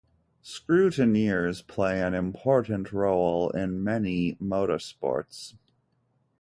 Scrutineers play an important role in many motosports.